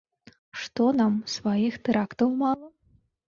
Што нам, сваіх тэрактаў мала?